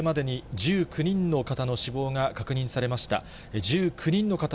１９人の方の死亡が確認されました。